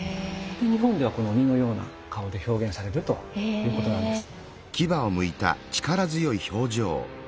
日本ではこの鬼のような顔で表現されるということなんです。